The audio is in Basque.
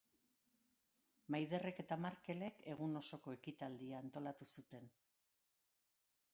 Maiderrek eta Markelek egun osoko ekitaldia antolatu zuten.